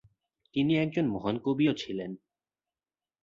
তিনি একজন মহান কবিও ছিলেন।